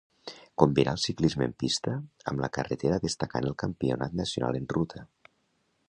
Combinà el ciclisme en pista amb la carretera destacant el campionat nacional en ruta.